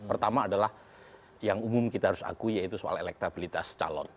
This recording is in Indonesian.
pertama adalah yang umum kita harus akui yaitu soal elektabilitas calon